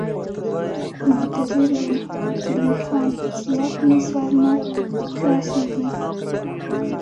به منتظر وي، زلمی خان: زیات مې سر نه په خلاصېږي.